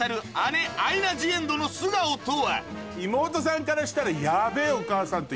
さらに妹さんからしたら。